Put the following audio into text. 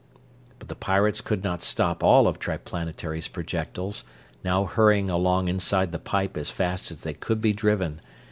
But the pirates could not stop all of Triplanetary's projectiles, now hurrying along inside the pipe as fast as they could be driven.